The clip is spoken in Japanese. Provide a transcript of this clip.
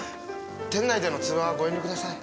店内での通話はご遠慮ください。